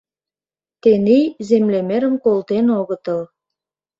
Тений землемерым колтен огытыл...